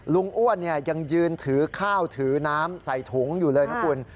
อ้วนยังยืนถือข้าวถือน้ำใส่ถุงอยู่เลยนะคุณ